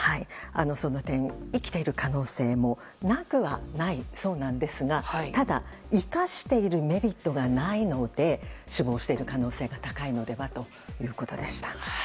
その点、生きている可能性もなくはないそうなんですがただ、生かしているメリットがないので死亡している可能性が高いのではということでした。